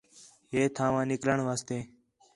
ہے تھان٘ہوا نِکلݨ واسطے